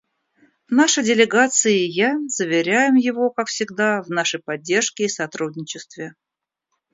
Наша делегация и я заверяем его, как всегда, в нашей поддержке и сотрудничестве.